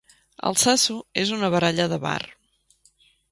Altsasu és una baralla de bar.